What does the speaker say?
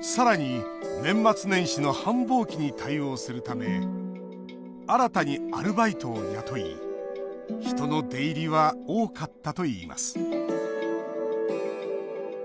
さらに、年末年始の繁忙期に対応するため新たにアルバイトを雇い人の出入りは多かったといいます。